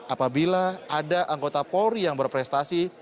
apabila ada anggota polri yang berprestasi